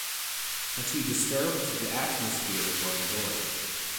But he disturbed the atmosphere for the boy.